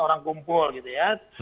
orang kumpul gitu ya